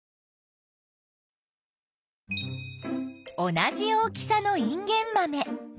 同じ大きさのインゲンマメ。